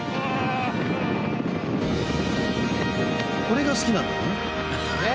これが好きなんだね。